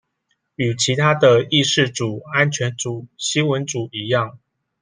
與其他的議事組安全組新聞組一樣